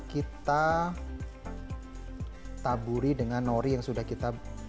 kita taburi dengan nori yang sudah kita